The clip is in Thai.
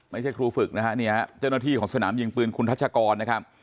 ไม่ใช่ครูฝึกนะฮะเนี่ยเจ้าหน้าที่ของสนามยิงปืนคุณทัชกรนะครับ